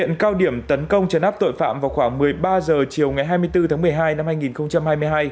hiện cao điểm tấn công trấn áp tội phạm vào khoảng một mươi ba h chiều ngày hai mươi bốn tháng một mươi hai năm hai nghìn hai mươi hai